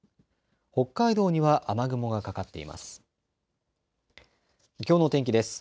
北海道には雨雲がかかっています。